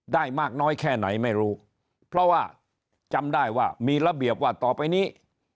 ได้มากน้อยแค่ไหนไม่รู้เพราะว่าจำได้ว่ามีระเบียบว่าต่อไปนี้